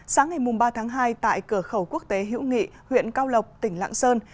sáng ngày ba tháng hai tại cửa khẩu quốc tế hữu nghị huyện cao lộc tỉnh lạng sơn